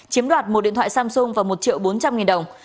chiếm đoạt một điện thoại samsung và một triệu bốn trăm linh nghìn đồng